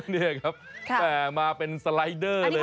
แปะมาเป็นสไลด้อเลย